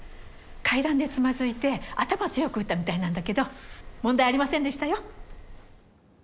階段でつまずいて頭を強く打ったみたいなんだけど問題ありませんでしたよ。